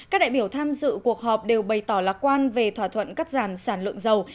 các đại biểu tham dự cuộc họp đều bày tỏ lạc quan về thỏa thuận cắt giảm sản lượng dầu